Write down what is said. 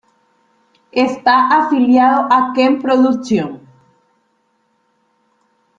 Está afiliado a Ken Production.